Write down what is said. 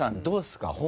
どうですか？